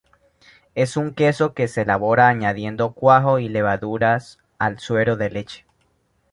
Es un queso que se elabora añadiendo cuajo y levaduras al suero de leche.